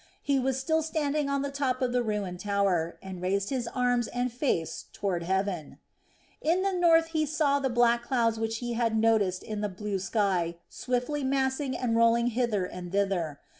He was still standing on the top of the ruined tower, and raised his arms and face toward heaven. In the north he saw the black clouds which he had noticed in the blue sky swiftly massing and rolling hither and thither.